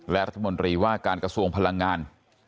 และรัฐมนตรีว่าการกระทรวงพลังงาน